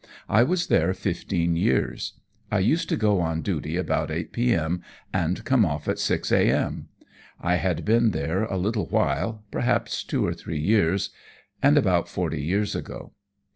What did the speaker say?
I was there fifteen years. I used to go on duty about 8 p.m. and come off at 6 a.m. I had been there a little while perhaps two or three years and about forty years ago.